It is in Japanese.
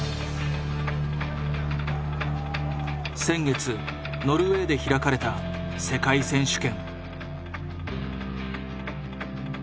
先月ノルウェーで開かれた世界選手権。